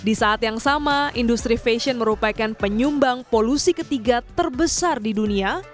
di saat yang sama industri fashion merupakan penyumbang polusi ketiga terbesar di dunia